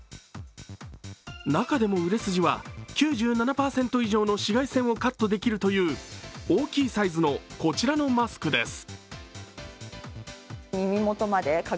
中でも売れ筋は９７％以上の紫外線をカットできるという大きいサイズのこちらのマスクです。